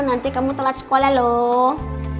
nanti kamu telat sekolah loh